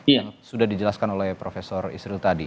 yang sudah dijelaskan oleh profesor israel tadi